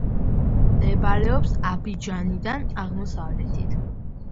მდებარეობს აბიჯანიდან აღმოსავლეთით.